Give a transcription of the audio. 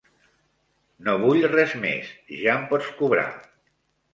No vull res més, ja em pots cobrar.